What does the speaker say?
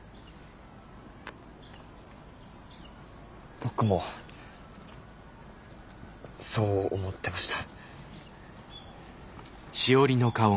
僕もそう思ってました。